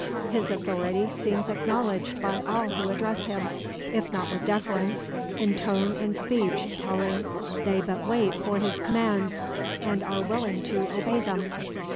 His authority seems acknowledged by all who address him, if not with deference, in tone and speech telling they but wait for his commands, and are willing to obey them.